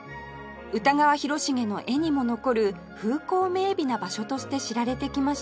歌川広重の絵にも残る風光明媚な場所として知られてきました